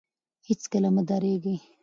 هېڅکله مه درېږئ.